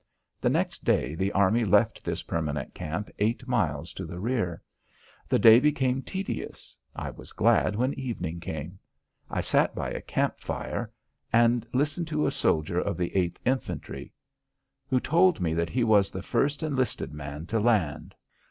The next day the army left this permanent camp eight miles to the rear. The day became tedious. I was glad when evening came. I sat by a camp fire and listened to a soldier of the 8th Infantry who told me that he was the first enlisted man to land.